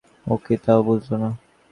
ও কি তাও বুঝল না।